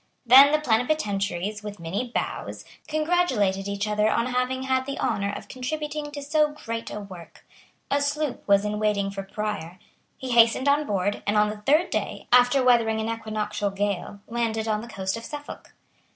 Then the plenipotentiaries, with many bows, congratulated each other on having had the honour of contributing to so great a work. A sloop was in waiting for Prior. He hastened on board, and on the third day, after weathering an equinoctial gale, landed on the coast of Suffolk.